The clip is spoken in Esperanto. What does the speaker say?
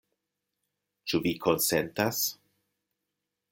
Ĉu vi konsentas?